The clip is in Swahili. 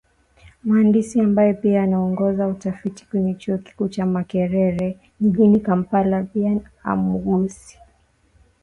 Mhandisi ambaye pia anaongoza utafiti kwenye chuo kikuu cha Makerere jijini Kampala Bain Omugisa amesema